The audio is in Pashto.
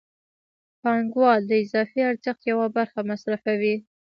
پانګوال د اضافي ارزښت یوه برخه مصرفوي